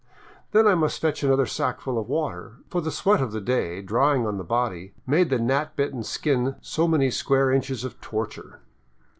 Then I must fetch another sackful of water, for the sweat of the day, drying on the body, made the gnat bitten skin so many square inches of torture.